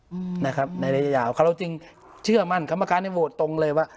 อืมนะครับในระยะยาวเขาเราจึงเชื่อมั่นกรรมการในโหวตตรงเลยว่า